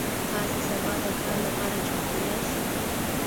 تاسو سبا د کار لپاره چمتو یاست؟